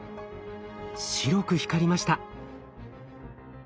白く光りました。